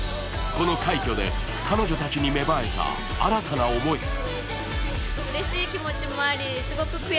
この快挙で彼女たちに芽生えた新たな思い。